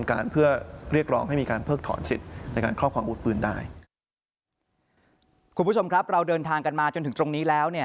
คุณผู้ชมครับเราเดินทางกันมาจนถึงตรงนี้แล้วเนี่ย